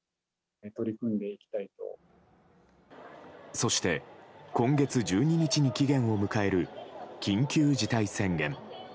そして、今月１２日に期限を迎える緊急事態宣言。